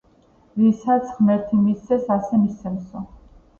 ვისაც ღმერთი მისცემს, ასე მისცემსო